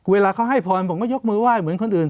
เวลาเขาให้พรผมก็ยกมือไหว้เหมือนคนอื่น